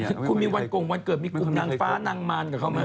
ไม่มีคุณมีวันกงวันเกิดมีกลุ่มนางฟ้านางมานก็เข้ามา